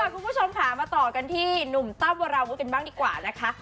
คุณผู้ชมค่ะมาต่อกันที่หนุ่มตั้มวราวุฒิกันบ้างดีกว่านะคะ